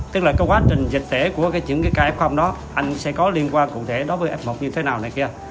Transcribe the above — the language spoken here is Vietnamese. tức là quá trình dịch tễ của những ca f đó anh sẽ có liên quan cụ thể đối với f một như thế nào này kia